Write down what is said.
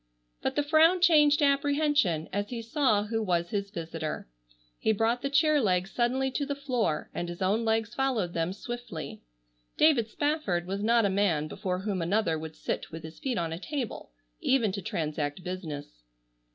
But the frown changed to apprehension, as he saw who was his visitor. He brought the chair legs suddenly to the floor and his own legs followed them swiftly. David Spafford was not a man before whom another would sit with his feet on a table, even to transact business.